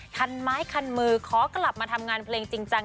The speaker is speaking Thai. คันไม้คันมือขอกลับมาทำงานเพลงจริงจัง